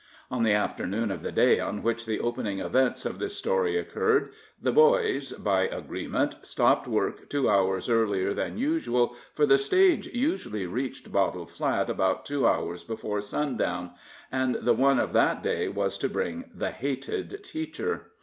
On the afternoon of the day on which the opening events of this story occurred, the boys, by agreement, stopped work two hours earlier than usual, for the stage usually reached Bottle Flat about two hours before sundown, and the one of that day was to bring the hated teacher.